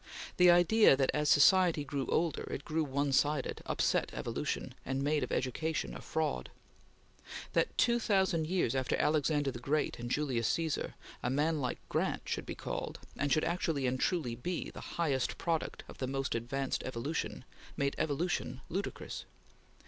The idea that, as society grew older, it grew one sided, upset evolution, and made of education a fraud. That, two thousand years after Alexander the Great and Julius Caesar, a man like Grant should be called and should actually and truly be the highest product of the most advanced evolution, made evolution ludicrous.